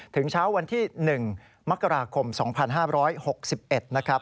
ถึงเช้าวันที่๑มกราคม๒๕๖๑นะครับ